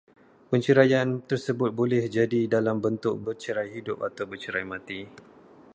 Perceraian tersebut boleh jadi dalam bentuk bercerai hidup atau bercerai mati